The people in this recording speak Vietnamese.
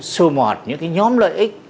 sô mọt những nhóm lợi ích